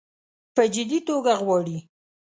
په جدي توګه غواړي.